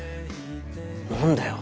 「何だよ